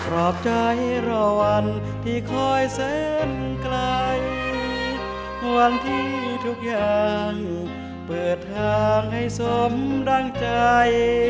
รอบใจรอวันที่คอยเส้นไกลวันที่ทุกอย่างเปิดทางให้สมดังใจ